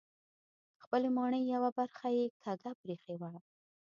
خپلې ماڼۍ یوه برخه یې کږه پرېښې وه.